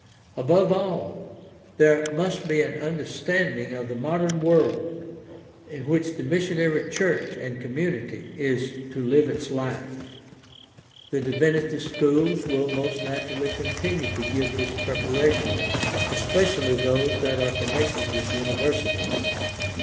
Above all, there must be an understanding of the modem world in which the missionary church and community is to live its life. The divinity schools will most naturally continue to give this preparation, especially those that are connected with universities.